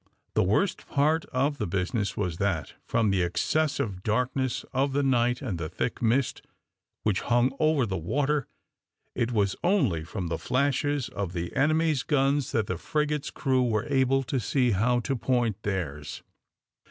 The worst part of the business was that, from the excessive darkness of the night and the thick mist which hung over the water, it was only from the flashes of the enemy's guns that the frigate's crew were able to see how to point theirs.